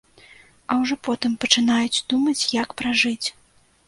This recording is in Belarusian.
А ўжо потым пачынаюць думаць, як пражыць.